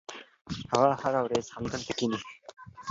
هغه هره ورځ همدلته کښېني.